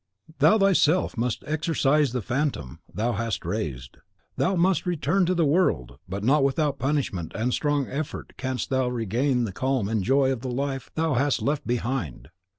Thou thyself must exorcise the phantom thou hast raised. Thou must return to the world; but not without punishment and strong effort canst thou regain the calm and the joy of the life thou hast left behind.